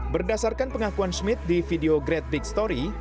berdasarkan pengakuan smith di video grade big story